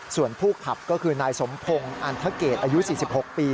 ส่วนผู้ขับก็คือนายสมพงศ์อันทะเกตอายุ๔๖ปี